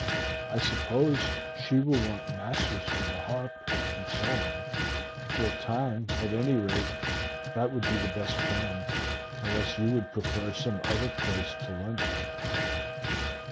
I suppose she will want masters for the harp, and so on. For a time, at any rate, that would be the best plan, unless you would prefer some other place to London.